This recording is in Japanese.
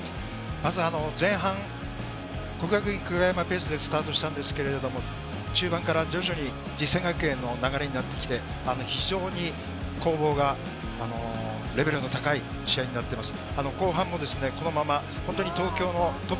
まず前半、國學院久我山ペースでスタートしたんですけれど、中盤から徐々に実践学園の流れになってきて、非常に攻防がレベルの高い試合になっています。